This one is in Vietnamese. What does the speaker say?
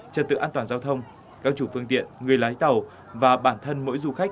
trật tự an toàn giao thông các chủ phương tiện người lái tàu và bản thân mỗi du khách